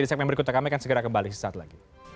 di segmen berikutnya kami akan segera kembali sesaat lagi